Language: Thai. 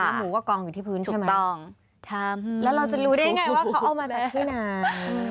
หมูก็กองอยู่ที่พื้นใช่ไหมถูกต้องทำแล้วเราจะรู้ได้ยังไงว่าเขาเอามาจากที่ไหน